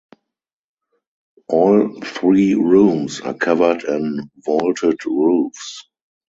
All three rooms are covered in vaulted roofs.